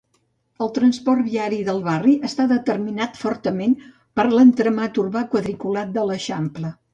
El transport viari del barri està determinat fortament per l'entramat urbà quadriculat de l'Eixample.